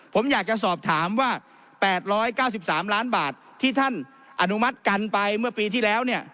ผมอยากจะสอบถามว่า๘๙๓ล้านบาทที่ท่านอนุมัติกันไปเมื่อปีที่แล้วเนี่ย